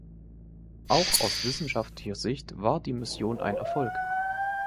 Auch aus wissenschaftlicher Sicht war die Mission ein Erfolg.